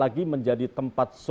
tapi juga menjadi tempat kreatif hub